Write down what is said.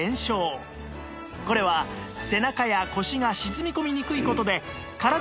これは背中や腰が沈み込みにくい事で